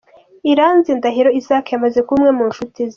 Iranzi Ndahiro Isaac yamaze kuba umwe mu nshuti ze.